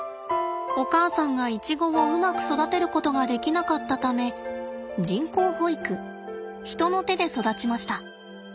お母さんがイチゴをうまく育てることができなかったため人工哺育人の手で育ちました。